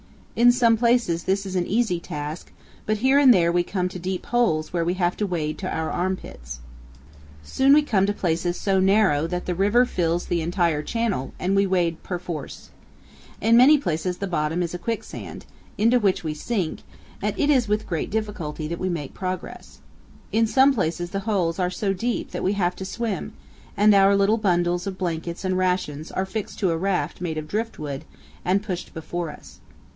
In some places this is an easy task, but here and there we come to deep holes where we have to wade to our armpits. Soon we come to places so narrow powell canyons 183.jpg ANOTHER STYLE OF LADDER. 294 CANYONS OF THE COLORADO. that the river fills the entire channel and we wade perforce. In many places the bottom is a quicksand, into which we sink, and it is with great difficulty that we make progress. In some places the holes are so deep that we have to swim, and our little bundles of blankets and rations are fixed to a raft made of driftwood and pushed before us.